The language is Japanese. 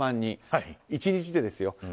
１日でですよ